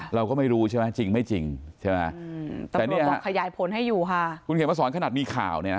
เราก็ไม่รู้ใช่ไหมจริงไม่จริงแต่นี่คุณเขียนว่าสอนขนาดมีข่าวเนี่ย